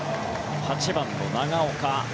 ８番の長岡。